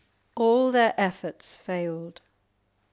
all their efforts failed.